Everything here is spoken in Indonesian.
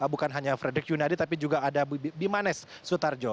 bukan hanya frederick yunadi tapi juga ada bimanes sutarjo